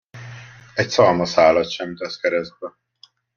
Egy szalmaszálat sem tesz keresztbe.